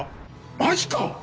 マジか！？